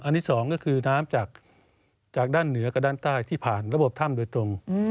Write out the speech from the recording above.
อันนี้สองก็คือน้ำจากด้านเหนือกับด้านใต้ที่ผ่านระบบถ้ำโดยตรง